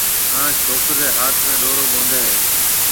ھان ڇوڪرِي رَي ھاٿ ۾ ڏورو ٻونڌَي ھيََََ